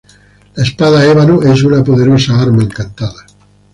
La Espada Ébano es una poderosa arma encantada.